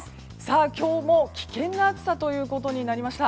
今日も危険な暑さということになりました。